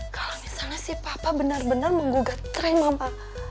kalo misalnya si papa bener bener menggugat cray mama